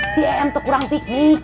si em tuh kurang ti